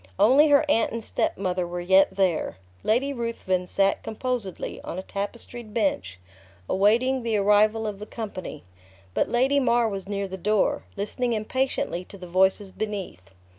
Only her aunt and step mother were yet there. Lady Ruthven sat composedly, on a tapestried bench, awaiting the arrival of the company. But Lady Mar was near the door, listening impatiently to the voices beneath.